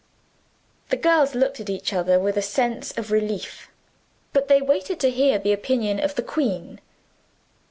The girls looked at each other with a sense of relief but they waited to hear the opinion of the queen.